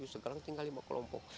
sekarang tinggal lima kelompok